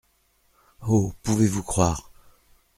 Oh ! pouvez-vous croire…